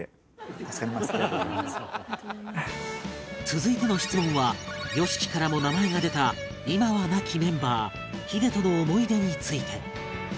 続いての質問は ＹＯＳＨＩＫＩ からも名前が出た今は亡きメンバー ＨＩＤＥ との思い出について